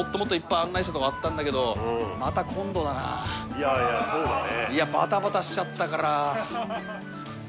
いやいやそうだね